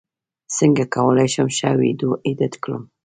څنګه کولی شم ښه ویډیو ایډیټ کړم